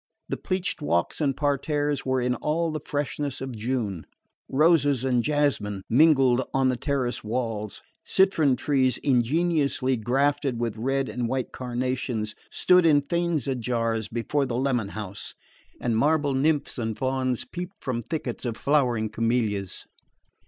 The pleached walks and parterres were in all the freshness of June. Roses and jasmine mingled on the terrace walls, citron trees ingeniously grafted with red and white carnations stood in Faenza jars before the lemon house, and marble nymphs and fauns peeped from thickets of flowering camellias.